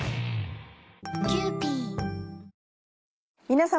皆様。